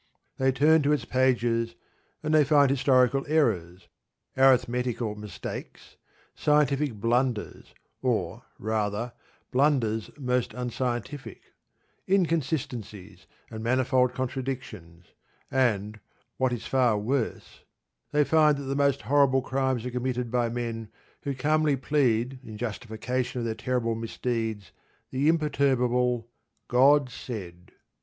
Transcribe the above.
They turn to its pages, and they find historical errors, arithmetical mistakes, scientific blunders (or, rather, blunders most unscientific), inconsistencies, and manifold contradictions; and, what is far worse, they find that the most horrible crimes are committed by men who calmly plead in justification of their terrible misdeeds the imperturbable "God said."